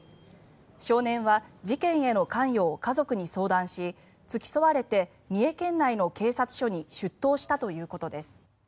少年は事件への関与を家族に相談し付き添われて三重県内の警察署に出頭したということです。